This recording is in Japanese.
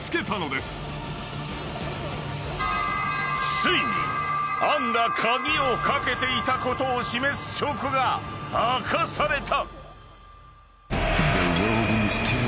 ［ついに杏が鍵を掛けていたことを示す証拠が明かされた］